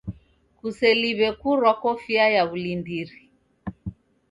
Kuseliwe kurwa kofia ya wulindiri.